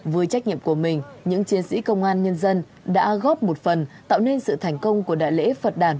với trách nhiệm của mình những chiến sĩ công an nhân dân đã góp một phần tạo nên sự thành công của đại lễ phật đàn